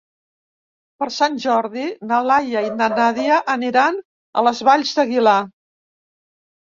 Per Sant Jordi na Laia i na Nàdia aniran a les Valls d'Aguilar.